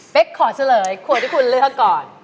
เบ๊กขอเฉลยควรที่คุณเลือกก่อน